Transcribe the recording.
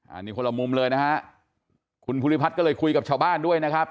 อันนี้คนละมุมเลยนะฮะคุณภูริพัฒน์ก็เลยคุยกับชาวบ้านด้วยนะครับ